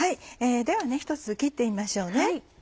では１つ切ってみましょうね。